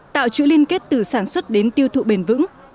tạo chuỗi liên kết từ sản xuất đến tiêu thụ bền vững